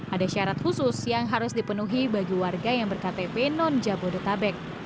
ada syarat khusus yang harus dipenuhi bagi warga yang berktp non jabodetabek